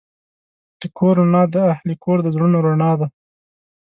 د کور رڼا د اهلِ کور د زړونو رڼا ده.